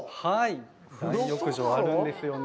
大浴場があるんですよね。